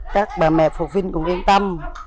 các bà mẹ phụ huynh cũng yên tâm